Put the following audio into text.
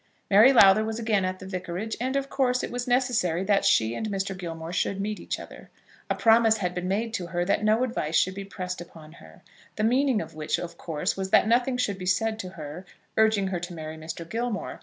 Mary Lowther was again at the vicarage, and of course it was necessary that she and Mr. Gilmore should meet each other. A promise had been made to her that no advice should be pressed upon her, the meaning of which, of course, was that nothing should be said to her urging her to marry Mr. Gilmore.